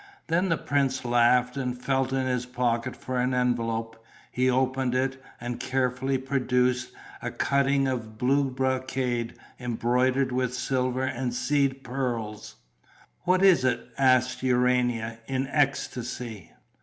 Then the prince laughed and felt in his pocket for an envelope; he opened it and carefully produced a cutting of blue brocade embroidered with silver and seed pearls. "What is it?" asked Urania, in ecstasy.